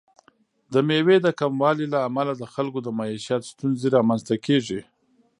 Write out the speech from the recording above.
د میوې د کموالي له امله د خلکو د معیشت ستونزې رامنځته کیږي.